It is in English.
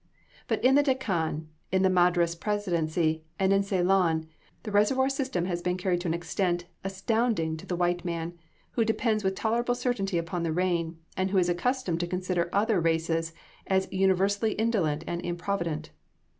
But in the Deccan, in the Madras presidency, and in Ceylon, the reservoir system has been carried to an extent astounding to the white man, who depends with tolerable certainty upon the rain, and who is accustomed to consider other races as universally indolent and improvident.